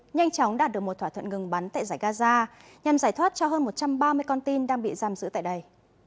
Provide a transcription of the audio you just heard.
nhanh chóng đạt được một thỏa thuận ngừng bắn tại giải gaza nhằm giải thoát cho hơn một trăm ba mươi con tin đang bị giam giữ tại đây